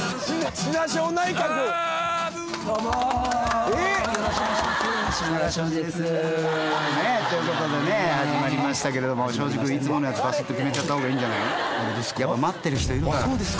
品川庄司ですねえということでね始まりましたけれども庄司くんいつものやつバシッときめちゃった方がいいんじゃないあれですか？